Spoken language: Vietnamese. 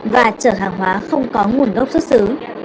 và chở hàng hóa không có nguồn gốc xuất xứ